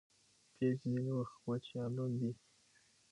پيچ ځیني وخت وچ یا لوند يي.